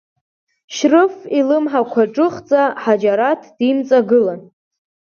Шьрыф илымҳақәа џыхӡа Ҳаџьараҭ димҵагылан.